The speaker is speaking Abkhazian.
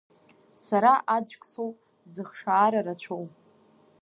Сара аӡәк соуп зыхшаара рацәоу.